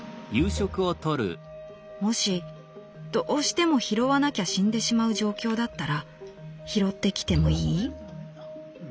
「『もしどうしても拾わなきゃ死んでしまう状況だったら拾って来てもいい？』